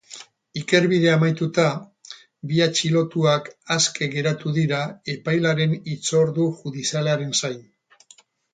Ikerbidea amaituta, bi atxilotuak aske geratu dira epailearen hitzordu judizialaren zain.